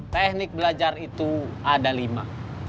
teknik belajar itu ada lima